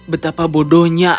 betapa bodohnya aku